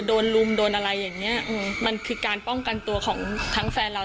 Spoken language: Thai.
ลุมโดนอะไรอย่างเงี้ยอืมมันคือการป้องกันตัวของทั้งแฟนเรา